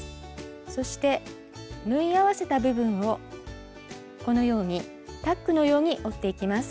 そして縫い合わせた部分をこのようにタックのように折っていきます。